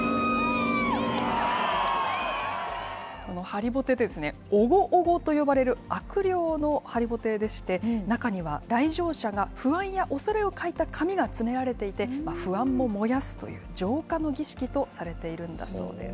この張りぼてですね、オゴ・オゴと呼ばれる悪霊の張りぼてでして、中には来場者が不安や恐れを書いた紙が詰められていて、不安も燃やすという浄化の儀式とされているんだそうです。